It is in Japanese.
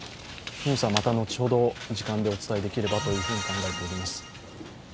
ニュースは後ほどお伝えできればと考えています。